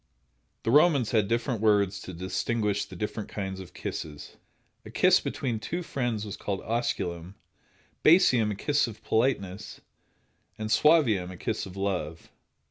The Romans had different words to distinguish the different kinds of kisses. A kiss between two friends was called osculum; basium, a kiss of politeness; and suavium, a kiss of love.